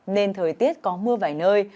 nên thời tiết có mưa vài nơi